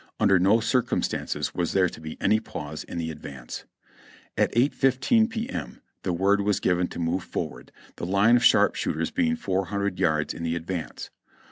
Under no circumstances was there to be any pause in the advance. At 5.15 P. M. the word was given to move forward, the line of sharpshooters being 400 yards in the advance.